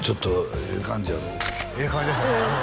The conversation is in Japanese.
ええ感じでしたね